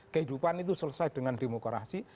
kehidupan itu selesai dengan demokrasi